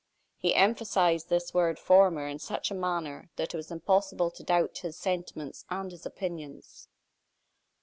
He emphasized this word "former" in such a manner that it was impossible to doubt his sentiments and his opinions.